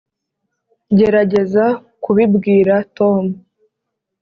gerageza kubibwira tom